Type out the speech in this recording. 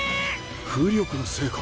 浮力のせいか。